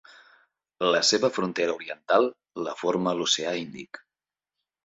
La seva frontera oriental la forma l'oceà Índic.